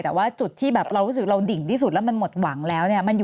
แต่ว่าจุดที่แบบเรารู้สึกเราดิ่งที่สุดแล้วมันหมดหวังแล้วเนี่ย